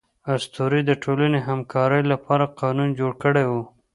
اسطورې د ټولنې همکارۍ لپاره قانون جوړ کړی و.